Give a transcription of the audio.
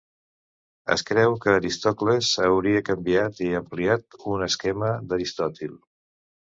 Es creu que Arístocles hauria canviat i ampliat un esquema d'Aristòtil.